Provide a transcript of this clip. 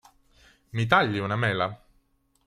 Mi tagli una mela?